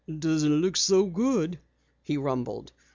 "Doesn't look so good," he rumbled.